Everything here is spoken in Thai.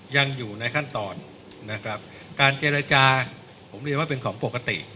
ยังอยู่ในขั้นตอนนะครับการเจรจาผมเรียนว่าเป็นของปกติ